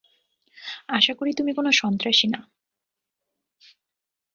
আশা করি তুমি কোনো সন্ত্রাসী না?